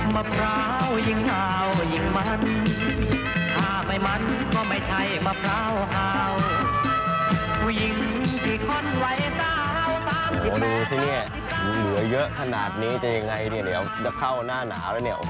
มะพร้าวยิ่งหนาวยิ่งมันถ้าไม่มันก็ไม่ใช่มะพร้าวหาว